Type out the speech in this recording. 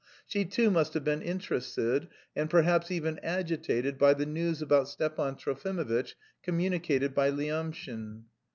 She too must have been interested, and perhaps even agitated, by the news about Stepan Trofimovitch communicated by Lyamshin.